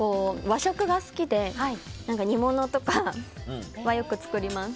和食が好きで煮物とかはよく作ります。